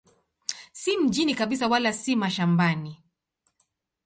Si mjini kabisa wala si mashambani.